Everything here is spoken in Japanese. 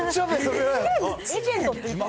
レジェンドって言った？